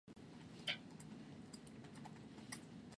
Trâu cột ghét trâu ăn.